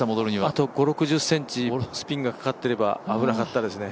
あと５０６０ｃｍスピンがかかってれば危なかったですね。